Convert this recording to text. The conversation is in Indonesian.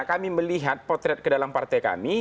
kami melihat potret ke dalam partai kami